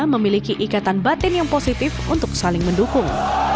memiliki ikatan batin yang positif untuk saling mendukung